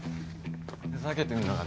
ふざけてんのか？